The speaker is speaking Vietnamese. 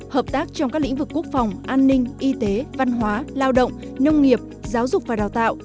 hợp tác trong các lĩnh vực quốc phòng an ninh y tế văn hóa lao động nông nghiệp giáo dục và đào tạo